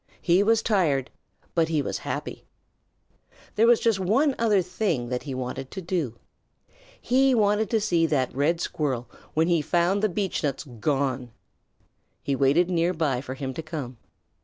He was tired but he was happy. There was just one other thing that he wanted to do. He wanted to see that Red Squirrel when he found the beechnuts gone. He waited near by for him to come.